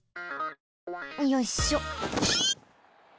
よいしょ。